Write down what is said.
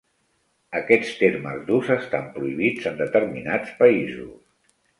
Aquests termes d'ús estan prohibits en determinats països.